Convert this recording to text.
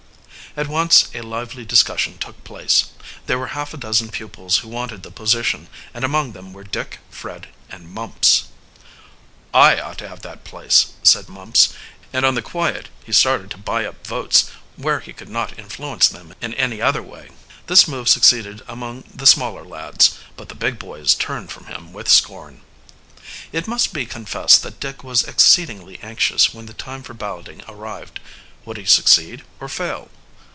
At once a lively discussion took place. There were half a dozen pupils who wanted the position, and among them were Dick, Fred, and Mumps. "I ought to have that place," said Mumps, and on the quiet he started to buy up votes where he could not influence them in any other way. This move succeeded among the smaller lads, but the big boys turned from him with scorn. It must be confessed that Dick was exceedingly anxious when the time for balloting arrived. Would he succeed or fail?